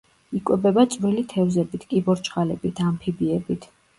იკვებება წვრილი თევზებით, კიბორჩხალებით, ამფიბიებით.